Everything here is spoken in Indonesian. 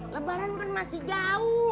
lebaran kan masih jauh